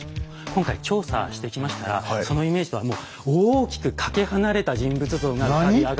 今回調査してきましたらそのイメージとはもう大きくかけ離れた人物像が浮かび上がってきたんです。